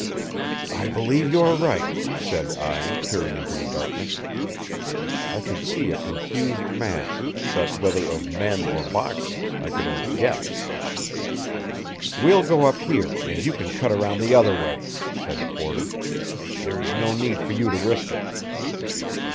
"I believe you are right," said I, peering into the darkness. I could see a confused mass, but whether of men or boxes I could only guess. "We'll go up here, and you can cut around the other way," said Porter. "There's no need for you to risk it."